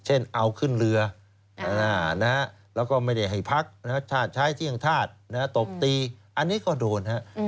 เอาขึ้นเรือแล้วก็ไม่ได้ให้พักใช้ที่ยังทาสตกตีอันนี้ก็โดนครับ